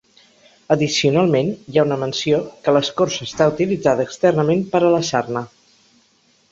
Addicionalment, hi ha una menció que l'escorça està utilitzada externament per a la sarna.